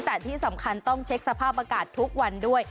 แต่ที่สำคัญต้องเช็คสภาพอากาศทุกวันด้วย